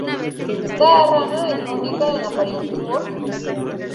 Cada rana es única en apariencia y voz.